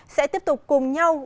sẽ tiếp tục cùng nhau